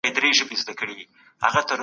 ازاد استدلال په هغه وخت کي شتون نه درلود.